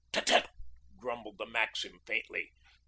'Tutt, tutt!' grumbled the maxim faintly.